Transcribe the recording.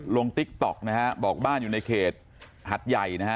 ติ๊กต๊อกนะฮะบอกบ้านอยู่ในเขตหัดใหญ่นะฮะ